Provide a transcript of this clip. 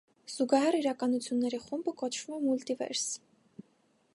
Զուգահեռ իրականությունների խումբը կոչվում է «մուլտիվերս»։